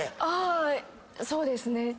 あそうですね。